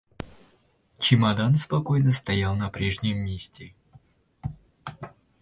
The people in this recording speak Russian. Чемодан спокойно стоял на прежнем месте.